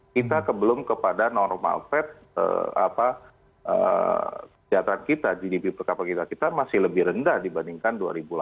kita kebelum kepada normal fat kesejahteraan kita gdp per kakita kita masih lebih rendah dibandingkan dua ribu delapan belas